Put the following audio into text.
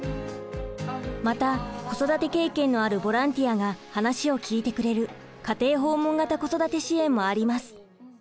また子育て経験のあるボランティアが話を聞いてくれる家庭訪問型子育て支援もあります。